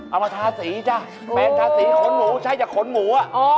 เอามาทาสีจ้ะแปลงทาสีขนหมูใช่จะขนหมู